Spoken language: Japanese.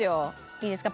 いいですか？